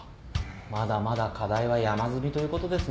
まだまだ課題は山積みということですね。